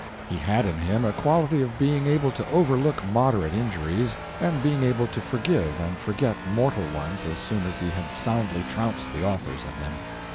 He had in him a quality of being able to overlook moderate injuries, and being able to forgive and forget mortal ones as soon as he had soundly trounced the authors of them.